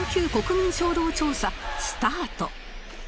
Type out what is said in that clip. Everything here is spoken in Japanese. スタート！